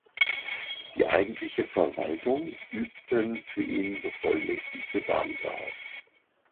Die eigentliche Verwaltung übten für ihn bevollmächtigte Beamte aus.